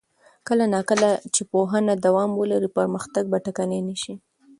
کله نا کله چې پوهنه دوام ولري، پرمختګ به ټکنی نه شي.